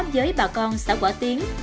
với bà con xã quả tiến